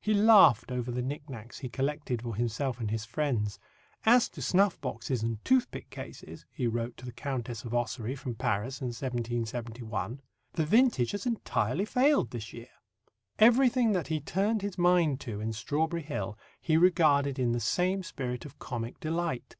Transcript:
He laughed over the knick knacks he collected for himself and his friends. "As to snuff boxes and toothpick cases," he wrote to the Countess of Ossory from Paris in 1771, "the vintage has entirely failed this year." Everything that he turned his mind to in Strawberry Hill he regarded in the same spirit of comic delight.